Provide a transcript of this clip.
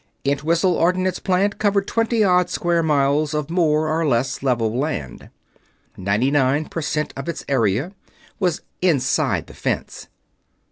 Entwhistle Ordnance Plant covered twenty odd square miles of more or less level land. Ninety nine percent of its area was "Inside the fence."